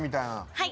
はい！